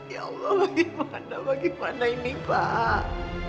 ya allah bagaimana ini pak